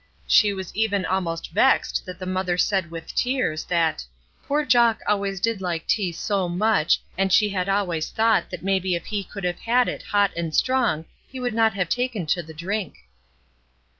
She was even almost vexed that the mother said with tears that "poor Jock always did like tea so much, and she had always thought that maybe if he could have had it hot and strong he would not have taken to the drink."